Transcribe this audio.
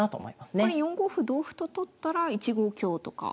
これ４五歩同歩と取ったら１五香とか。